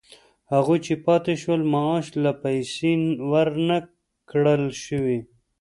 هغوی چې پاتې شول معاش یا پیسې ورنه کړل شوې